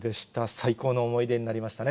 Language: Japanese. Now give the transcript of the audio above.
最高の思い出になりましたね。